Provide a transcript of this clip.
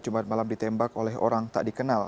jumat malam ditembak oleh orang tak dikenal